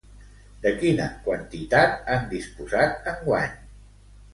De quina quantitat han disposat enguany?